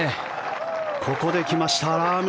ここで来ました、ラーム。